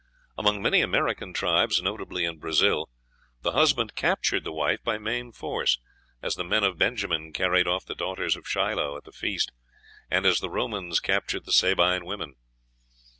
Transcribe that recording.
Among many American tribes, notably in Brazil, the husband captured the wife by main force, as the men of Benjamin carried off the daughters of Shiloh at the feast, and as the Romans captured the Sabine women.